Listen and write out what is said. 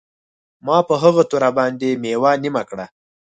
ما په هغه توره باندې میوه نیمه کړه